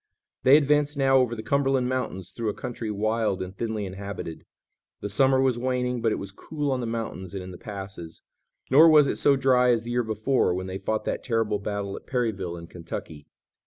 They advanced now over the Cumberland mountains through a country wild and thinly inhabited. The summer was waning, but it was cool on the mountains and in the passes, nor was it so dry as the year before, when they fought that terrible battle at Perryville in Kentucky.